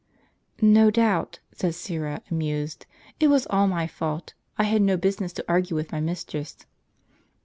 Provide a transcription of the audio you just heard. "No doubt," said Syra, amused, "it was all my fault; I had no business to argue with my mistress."